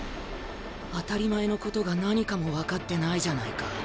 当たり前のことが何かも分かってないじゃないか君は！